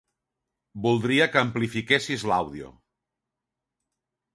Voldria que amplifiquessis l'àudio.